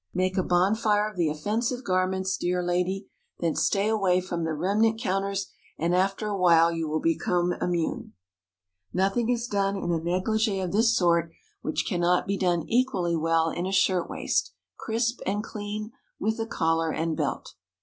Make a bonfire of the offensive garments, dear lady; then stay away from the remnant counters, and after a while you will become immune. Nothing is done in a négligée of this sort which cannot be done equally well in a shirt waist, crisp and clean, with a collar and belt.